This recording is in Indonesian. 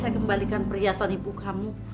saya kembalikan perhiasan ibu kamu